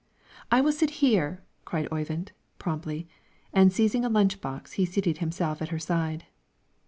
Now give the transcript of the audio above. "I will sit here!" cried Oyvind, promptly, and seizing a lunch box he seated himself at her side.